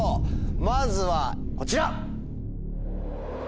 まずはこちら！